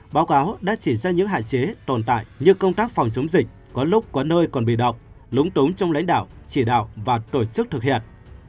báo cáo đã chỉ ra những hạn chế tồn tại như công tác phòng chống dịch có lúc có nơi còn bị động lúng túng trong lãnh đạo chỉ đạo và tổ chức thực hiện